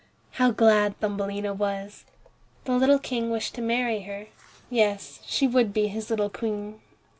How glad Thumbelina was! The little King wished to marry her. Yes, she would be his little Queen.